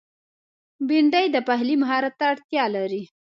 بېنډۍ د پخلي مهارت ته اړتیا لري